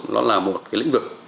nó là một cái lĩnh vực